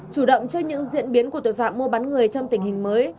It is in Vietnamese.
chủ động cho những diễn biến của tội phạm mua bắn người trong tình hình mới